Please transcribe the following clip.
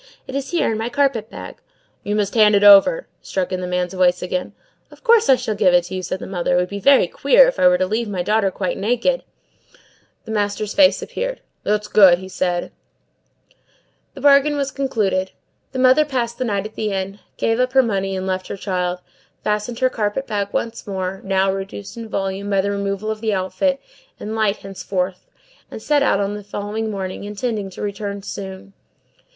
It is here, in my carpet bag." "You must hand it over," struck in the man's voice again. "Of course I shall give it to you," said the mother. "It would be very queer if I were to leave my daughter quite naked!" The master's face appeared. "That's good," said he. The bargain was concluded. The mother passed the night at the inn, gave up her money and left her child, fastened her carpet bag once more, now reduced in volume by the removal of the outfit, and light henceforth and set out on the following morning, intending to return soon.